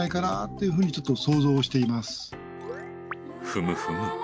ふむふむ！